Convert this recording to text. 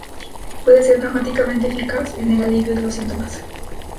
Puede ser dramáticamente eficaz en el alivio de los síntomas.